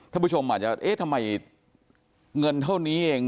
ท่านผู้ชมอาจจะเอ๊ะทำไมเงินเท่านี้เอง